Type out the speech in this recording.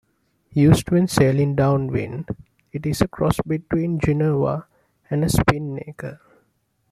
Used when sailing downwind, it is a cross between a genoa and a spinnaker.